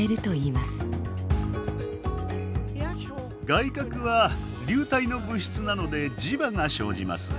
外核は流体の物質なので磁場が生じます。